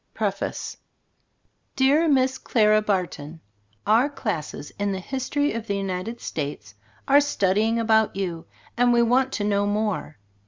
PREFACE Dear Miss Clara Barton: Our classes in The History of the United States are studying about you, and we want to know more.